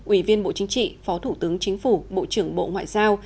ủy viên bộ chính trị phó thủ tướng chính phủ bộ trưởng bộ ngoại giao